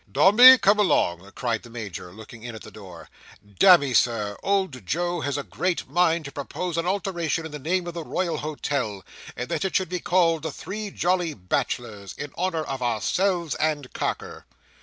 "Dombey, come along!" cried the Major, looking in at the door. "Damme, Sir, old Joe has a great mind to propose an alteration in the name of the Royal Hotel, and that it should be called the Three Jolly Bachelors, in honour of ourselves and Carker."